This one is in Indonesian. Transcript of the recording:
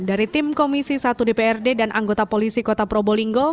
dari tim komisi satu dprd dan anggota polisi kota probolinggo